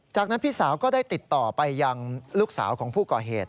จากนั้นพี่สาวก็ได้ติดต่อไปยังลูกสาวของผู้ก่อเหตุ